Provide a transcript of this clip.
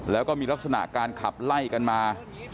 แล้วก็มีลักษณะการขับไล่กันมา